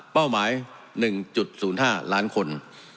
เป้าหมาย๑๐๕ล้านคน